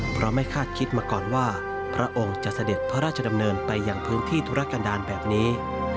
เพราะไม่คาดคิดมาก่อนว่าพระองค์จะเสด็จพระราชดำเนินไปอย่างพื้นที่ธุรกันดาลแบบนี้